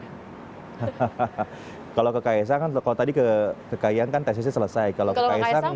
hahaha kalau ke kaya sang kan kalau tadi ke kaya kan kan tesisnya selesai kalau ke kaya sang nggak